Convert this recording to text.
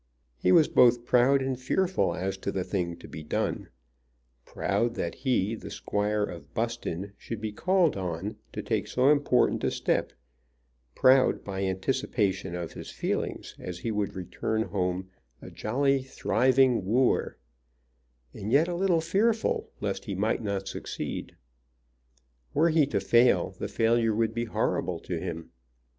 He was both proud and fearful as to the thing to be done, proud that he, the Squire of Buston, should be called on to take so important a step; proud by anticipation of his feelings as he would return home a jolly thriving wooer, and yet a little fearful lest he might not succeed. Were he to fail the failure would be horrible to him.